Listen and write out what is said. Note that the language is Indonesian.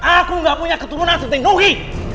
aku nggak punya keturunan seperti nugi